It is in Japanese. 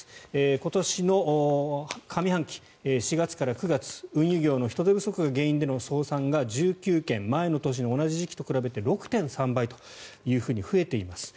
今年の上半期、４月から９月運輸業の人手不足が原因の倒産前の年の同じ時期と比べて６．３倍と増えています。